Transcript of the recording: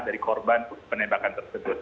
dari korban penembakan tersebut